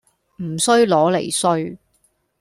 唔衰攞嚟衰